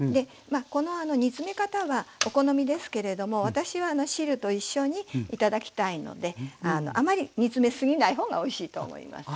この煮詰め方はお好みですけれども私は汁と一緒に頂きたいのであまり煮詰め過ぎない方がおいしいと思います。